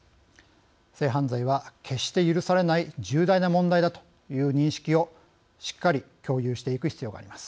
性犯罪は決して許されない重大な問題だという認識をしっかり共有していく必要があります。